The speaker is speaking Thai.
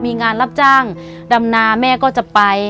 มีงานรับจ้างดำนาแม่ก็จะไป